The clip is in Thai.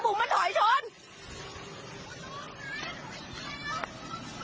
คุณผู้หญิงเสื้อสีขาวเจ้าของรถที่ถูกชน